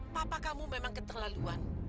papa kamu memang keterlaluan